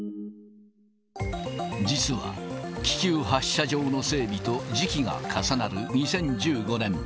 実は、気球発射場の整備と時期が重なる２０１５年。